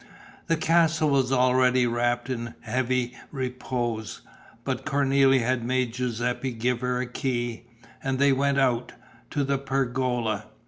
The castle was already wrapped in heavy repose; but Cornélie had made Giuseppe give her a key. And they went out, to the pergola.